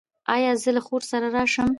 ایا زه له خور سره راشم؟